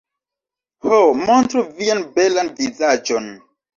Ho... montru vian belan vizaĝon